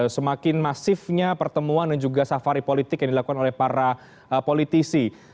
semakin masifnya pertemuan dan juga safari politik yang dilakukan oleh para politisi